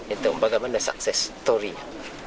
untuk bagaimana sukses story